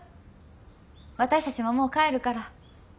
私たちももう帰るから。